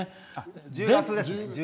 １０月ですね。